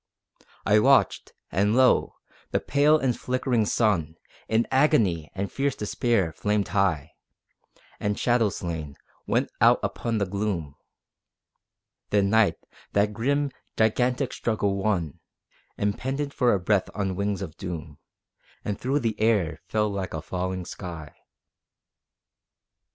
I watched, and lo! the pale and flickering sun, In agony and fierce despair, flamed high, And shadow slain, went out upon the gloom. Then Night, that grim, gigantic struggle won, Impended for a breath on wings of doom, And through the air fell like a falling sky.